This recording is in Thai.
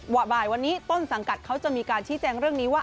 บ่ายวันนี้ต้นสังกัดเขาจะมีการชี้แจงเรื่องนี้ว่า